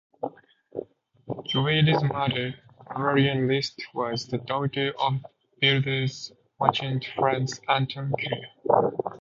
Guido's mother, Marian List, was the daughter of builder's merchant Franz Anton Killian.